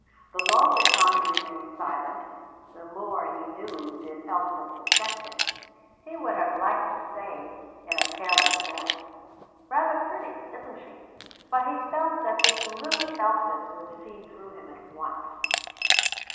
The longer Tommy remained silent, the more, he knew, did Elspeth suspect him. He would have liked to say, in a careless voice, "Rather pretty, isn't she?" but he felt that this little Elspeth would see through him at once.